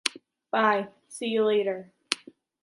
Bye. See you later.